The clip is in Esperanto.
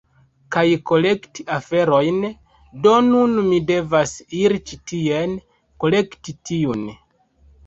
kaj kolekti aferojn, do nun mi devas iri ĉi tien, kolekti tiun…